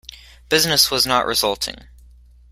Business was not resulting.